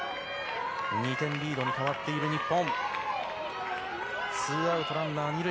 ２点リードに変わっている日本。